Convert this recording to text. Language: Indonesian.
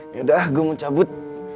yaudah gue mau cabut